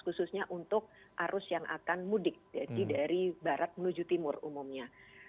khususnya untuk arus yang akan mudik dari barat menuju timur umumnya